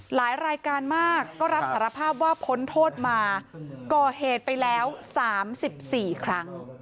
หลายรายการมากก็รับสารภาพว่าพ้นโทษมาก่อเหตุไปแล้ว๓๔ครั้ง